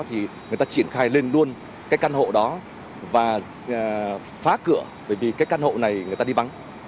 thì người ta triển khai lên luôn cái căn hộ đó và phá cửa bởi vì cái căn hộ này người ta đi vắng